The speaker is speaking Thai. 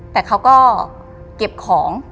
แต่เขาก็เก็บของ